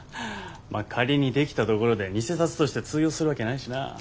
まあ仮にできたところで偽札として通用するわけないしな。